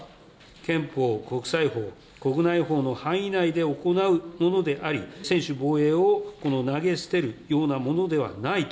憲法、国際法、国内法の範囲内で行うものであり、専守防衛を投げ捨てるようなものではないと。